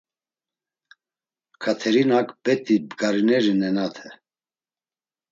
Katerinak bet̆i bgarineri nenate.